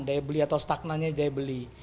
daya beli atau stagnannya daya beli